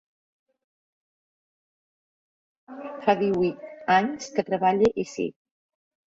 Fa díhuit anys que treballe ací.